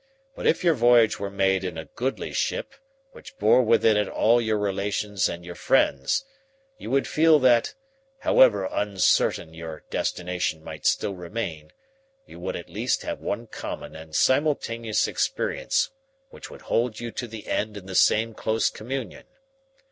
But if your voyage were made in a goodly ship, which bore within it all your relations and your friends, you would feel that, however uncertain your destination might still remain, you would at least have one common and simultaneous experience which would hold you to the end in the same close communion.